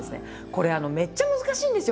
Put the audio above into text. これめっちゃ難しいんですよ。